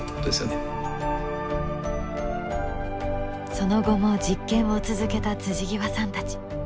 その後も実験を続けた極さんたち。